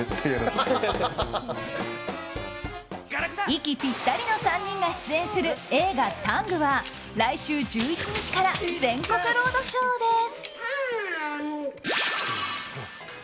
息ぴったりの３人が出演する映画「ＴＡＮＧタング」は来週１１日から全国ロードショーです。